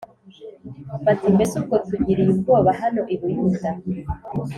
bati “Mbese ubwo tugiriye ubwoba hano i Buyuda